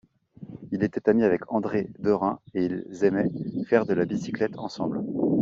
Il était ami avec André Derain et ils aimaient faire de la bicyclette ensemble.